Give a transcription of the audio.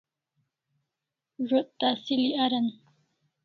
Zo't tasili aran